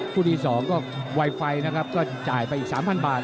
ที่๒ก็ไวไฟนะครับก็จ่ายไปอีก๓๐๐บาท